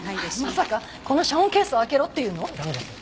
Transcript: まさかこの遮音ケースを開けろって言うの！？